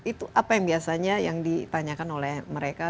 itu apa yang biasanya yang ditanyakan oleh mereka